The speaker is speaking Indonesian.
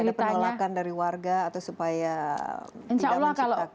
bapak suka tidak ada penolakan dari warga atau supaya tidak menciptakan masalah